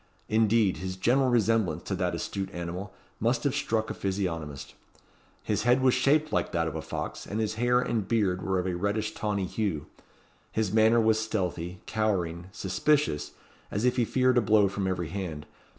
Indeed, his general resemblance to that astute animal must have struck a physiognomist. His head was shaped like that of a fox, and his hair and beard were of a reddish tawny hue. His manner was stealthy, cowering, suspicious, as if he feared a blow from every hand.